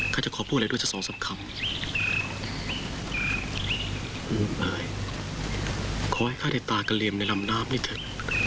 ขอให้ข้าได้ตายกับเรียมในลำน้ำนี่เถอะ